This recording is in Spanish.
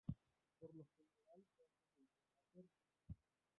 Por lo general caza desde una percha.